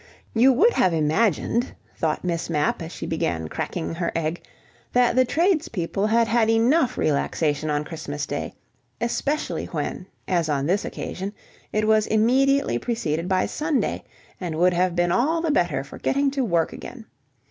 You would have imagined, thought Miss Mapp, as she began cracking her egg, that the tradespeople had had enough relaxation on Christmas Day, especially when, as on this occasion, it was immediately preceded by Sunday, and would have been all the better for getting to work again.